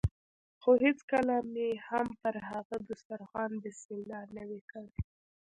خو هېڅکله به مې هم پر هغه دسترخوان بسم الله نه وي کړې.